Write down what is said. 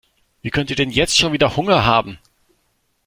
Wie könnt ihr denn jetzt schon wieder Hunger haben?